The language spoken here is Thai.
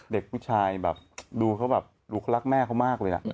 เด็กผู้ชายแบบดูเขาแบบดูเขารักแม่เขามากเลยนะ